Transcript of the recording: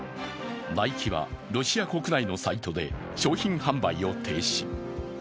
ナイキは、ロシア国内のサイトで商品販売を停止。